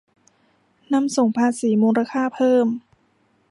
นำส่งภาษีมูลค่าเพิ่ม